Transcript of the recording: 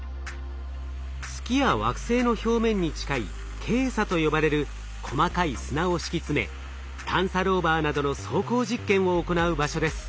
月や惑星の表面に近いケイ砂と呼ばれる細かい砂を敷き詰め探査ローバーなどの走行実験を行う場所です。